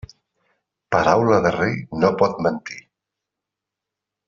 Paraula de rei no pot mentir.